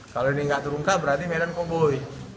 kalau ini nggak diungkap berarti medan kuboy